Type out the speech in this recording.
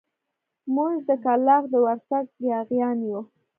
موږ د کلاخ د ورسک ياغيان يو.